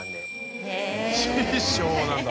師匠なんだ。